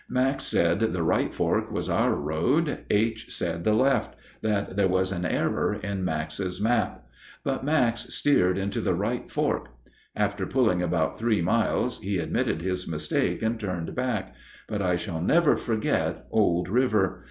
Max said the right fork was our road; H. said the left, that there was an error in Max's map; but Max steered into the right fork. After pulling about three miles he admitted his mistake and turned back; but I shall never forget Old River.